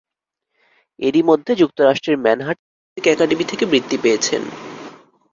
এরই মধ্যে যুক্তরাষ্ট্রের ম্যানহাটন মিউজিক একাডেমি থেকে বৃত্তি পেয়েছেন।